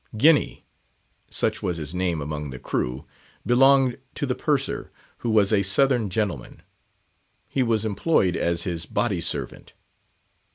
Guinea—such was his name among the crew—belonged to the Purser, who was a Southern gentleman; he was employed as his body servant.